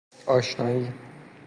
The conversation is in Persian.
آشنایی